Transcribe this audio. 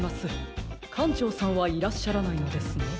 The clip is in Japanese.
かんちょうさんはいらっしゃらないのですね？